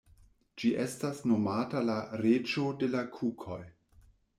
Ĝi estas nomata la „reĝo de la kukoj“.